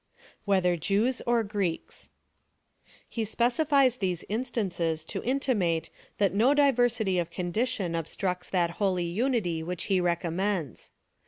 Whether Jews or Greeks. He siDccifies these instances, to intimate, that no diversity of condition obstructs that holy unity which he recommends.